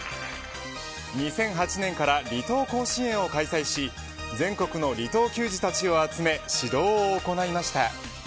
２００８年から離島甲子園を開催し全国の離島球児たちを集め指導を行いました。